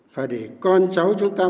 và để con cháu chúng ta mai sau